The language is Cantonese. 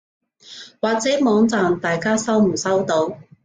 或者網站大家收唔收到？